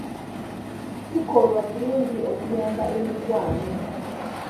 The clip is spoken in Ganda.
Kikolwa kirungi okuyamba emikwano.